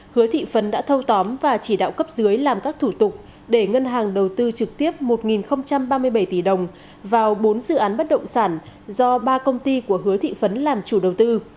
hứa thị phấn đã thâu tóm và chỉ đạo cấp dưới làm các thủ tục để ngân hàng đầu tư trực tiếp một ba mươi bảy tỷ đồng vào bốn dự án bất động sản do ba công ty của hứa thị phấn làm chủ đầu tư